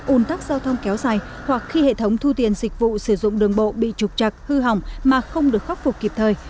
ủn tắc giao thông kéo dài hoặc khi hệ thống thu tiền dịch vụ sử dụng đường bộ bị trục chặt hư hỏng mà không được khắc phục kịp thời